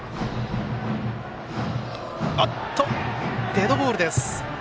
デッドボールです。